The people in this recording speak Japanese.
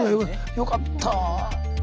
よかった！